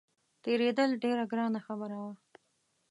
تېرېدل ډېره ګرانه خبره وه.